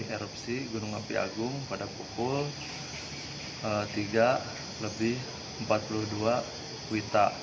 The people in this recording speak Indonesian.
erupsi gunung api agung pada pukul tiga lebih empat puluh dua wita